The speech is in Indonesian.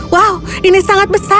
wow ini sangat besar